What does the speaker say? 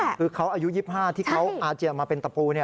คือเขาอายุ๒๕ที่เขาอาเจียนมาเป็นตะปู